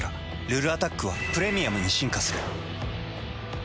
「ルルアタック」は「プレミアム」に進化する。